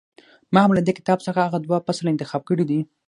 ما هم له دې کتاب څخه هغه دوه فصله انتخاب کړي دي.